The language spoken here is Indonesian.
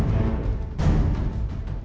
sia bai du